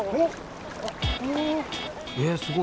えすごい。